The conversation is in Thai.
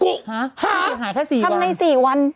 คุณจะทำใน๔วัน